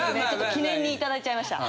記念にいただいちゃいました。